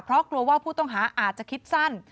เพราะกลัวว่าผู้ต้องหาอาจจะคิดสั้น